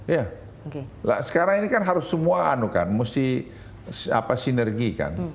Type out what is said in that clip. iya dong sekarang ini kan harus semua anu kan mesti sinergikan